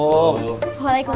kuisnya juga harus dibaca